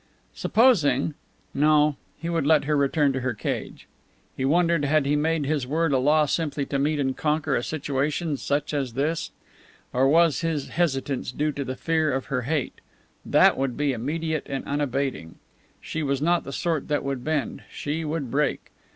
Supposing no, he would let her return to her cage. He wondered had he made his word a law simply to meet and conquer a situation such as this? Or was his hesitance due to the fear of her hate? That would be immediate and unabating. She was not the sort that would bend she would break.